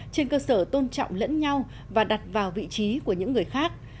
trên cơ sở tôn trọng lẫn nhau và đặt vào vị trí của những người khác